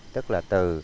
tức là từ